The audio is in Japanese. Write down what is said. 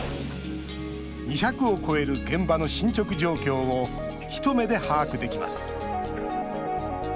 ２００を超える現場の進捗状況を一目で把握できます。